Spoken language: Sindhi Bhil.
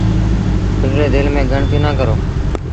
پنڊري دل ميݩ ڳڻتيٚ نا ڪرو